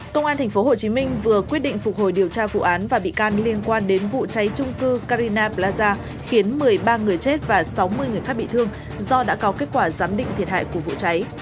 công an tp hcm vừa quyết định phục hồi điều tra vụ án và bị can liên quan đến vụ cháy trung cư carina plaza khiến một mươi ba người chết và sáu mươi người khác bị thương do đã có kết quả giám định thiệt hại của vụ cháy